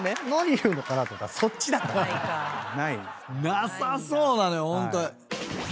なさそうなのよホント。